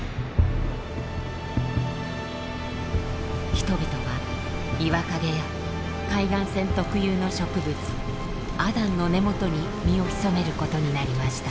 人々は岩陰や海岸線特有の植物アダンの根元に身を潜めることになりました。